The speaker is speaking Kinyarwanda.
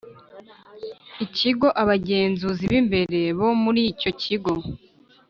ikigo abagenzuzi b imbere bo muri icyo kigo